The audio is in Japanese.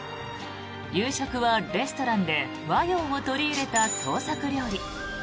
夕食はレストランで和洋を取り入れた創作料理。